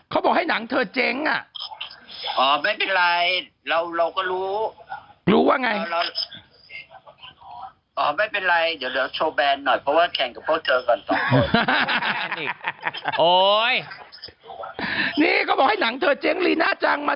เขาบอกให้หนังเธอเจ๊งอ่ะ